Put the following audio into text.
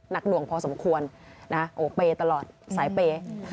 นักหน่วงพอสมควรนะโอ้เปตลอดสายเป